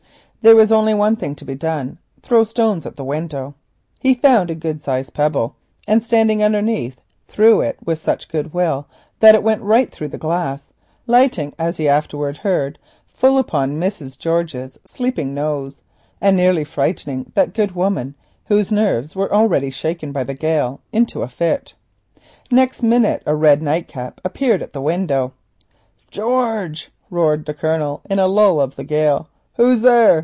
There was only one thing to be done —throw stones at the window. He found a good sized pebble, and standing underneath, threw it with such goodwill that it went right through the glass. It lit, as he afterwards heard, full upon the sleeping Mrs. George's nose, and nearly frightened that good woman, whose nerves were already shaken by the gale, into a fit. Next minute a red nightcap appeared at the window. "George!" roared the Colonel, in a lull of the gale. "Who's there?"